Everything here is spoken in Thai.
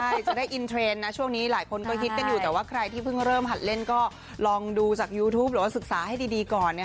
ใช่จะได้อินเทรนด์นะช่วงนี้หลายคนก็ฮิตกันอยู่แต่ว่าใครที่เพิ่งเริ่มหัดเล่นก็ลองดูจากยูทูปหรือว่าศึกษาให้ดีก่อน